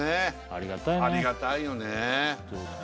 ありがたいねありがたいよね